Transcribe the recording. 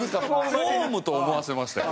フォームと思わせましたよ。